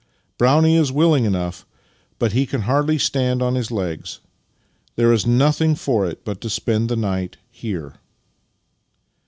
"Brownie is willing enough, but he can hardly stand on his legs. There is nothing for it but to spend the night here."